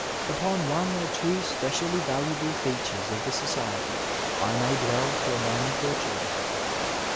Upon one or two specially valuable features of the society I may dwell for a moment or two.